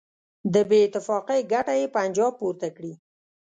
د بېاتفاقۍ ګټه یې پنجاب پورته کړي.